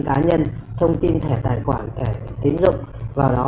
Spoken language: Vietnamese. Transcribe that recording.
cá nhân thông tin thẻ tài khoản thẻ tiến dụng vào đó